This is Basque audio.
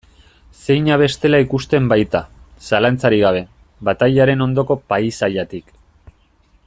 Zeina bestela ikusten baita, zalantzarik gabe, batailaren ondoko paisaiatik.